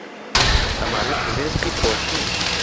ئەمانە فرمێسکی خۆشین.